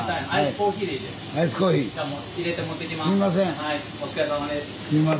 ・はいお疲れさまです。